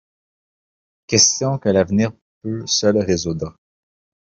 Question que l’avenir peut seule résoudre.